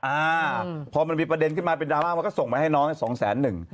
อ่าพอมันมีประเด็นขึ้นมาเป็นดราม่ามันก็ส่งไปให้น้องสองแสนหนึ่ง